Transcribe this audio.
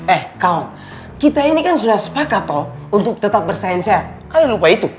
eh kau kita ini kan sudah sepakat toh untuk tetap bersaing sehat kalian lupa itu